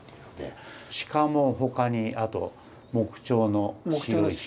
鹿も他にあと木彫の白い鹿。